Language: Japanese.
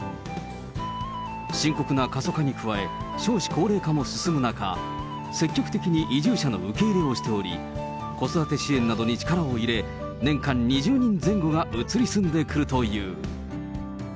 深刻な過疎化に加え、少子高齢化も進む中、積極的に移住者の受け入れをしており、子育て支援などに力を入れ、年間２０人前後が移り住んでくるという。